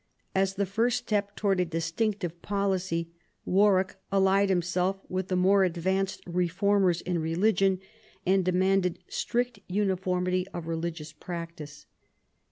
As the first step towards a distinctive policy, Warwick allied himself with the more advanced reformers in religion, and demanded strict uniformity of religious practice.